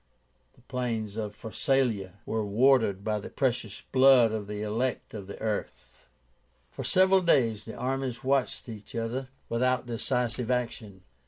The plains of Pharsalia were watered by the precious blood of the elect of the earth." For several days the armies watched each other without decisive action.